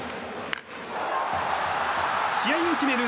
試合を決める